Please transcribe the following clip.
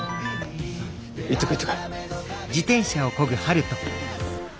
行ってこい行ってこい。